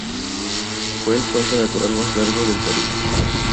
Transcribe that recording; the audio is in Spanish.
Fue el puente natural más largo del Caribe.